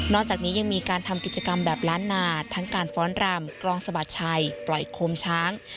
จากนี้ยังมีการทำกิจกรรมแบบล้านนาทั้งการฟ้อนรำกลองสะบัดชัยปล่อยโคมช้าง